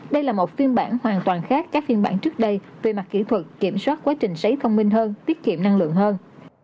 đây là một phiên bản hoàn toàn khác các phiên bản trước đây về mặt kỹ thuật kiểm soát quá trình sấy thông minh hơn tiết kiệm năng lượng hơn